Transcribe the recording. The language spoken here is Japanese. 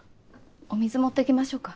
お水持ってきましょうか？